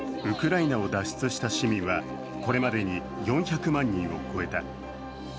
ウクライナを脱出した市民は、これまでに４００万人を超えた。